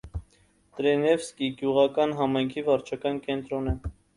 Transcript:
Տրենևսկի գյուղական համայնքի վարչական կենտրոնն է։